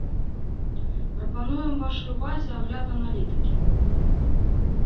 Прапануем вашай увазе агляд аналітыкі.